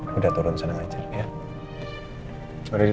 ternyata ada pelangi setelah ada badai